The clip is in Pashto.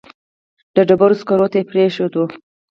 د ډبرو سکرو ته پرېښود.